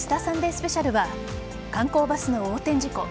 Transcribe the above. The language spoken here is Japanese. スペシャルは観光バスの横転事故。